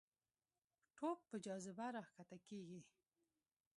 توپ په جاذبه راښکته کېږي.